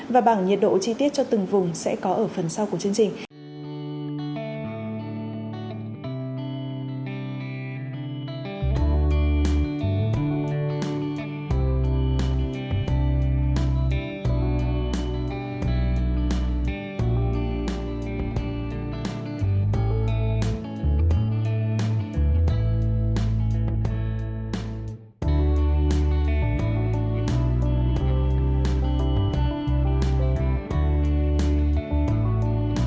và bảng nhiệt độ chi tiết cho từng vùng sẽ có ở phần sau của chương trình